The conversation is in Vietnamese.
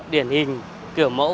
điển hình kiểu mẫu